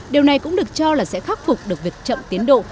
điều này cũng được cho là sẽ khắc phục được việc chậm tiến độ